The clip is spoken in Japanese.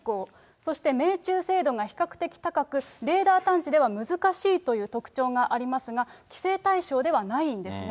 そして命中精度が比較的高く、レーダー探知では難しいという特徴がありますが、規制対象ではないんですね。